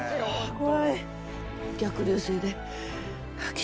怖い。